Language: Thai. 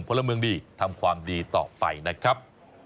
พลเมืองดีทำความดีต่อไปนะครับ